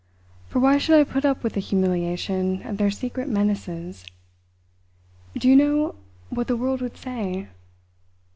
For why should I put up with the humiliation of their secret menaces? Do you know what the world would say?"